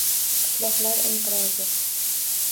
Qishloqlar inqirozi